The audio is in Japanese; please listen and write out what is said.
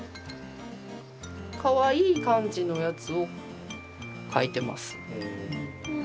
かわいい感じのやつを描いてます。